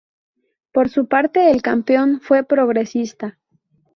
Por su parte, el campeón fue Progresista.